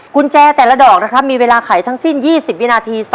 กุญแจแต่ละดอกนะครับมีเวลาไขทั้งสิ้น๒๐วินาที